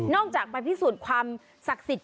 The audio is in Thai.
จากไปพิสูจน์ความศักดิ์สิทธิ